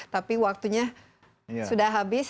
tapi waktunya sudah habis